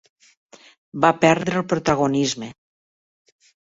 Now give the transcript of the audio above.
Va perdre el protagonisme.